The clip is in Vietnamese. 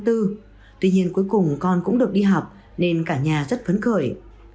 tuy nhiên cuối cùng con cũng được đi học nên cả nhà rất phấn khởi